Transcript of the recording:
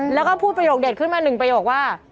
แล้วก็พูดประโยคเด็ดขึ้นมาหนึ่งประโยคว่า